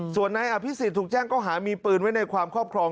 ส่วนนายอภิษฎถูกแจ้งก็หามีปืนไว้ในความครอบครอง